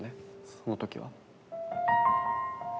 その時は。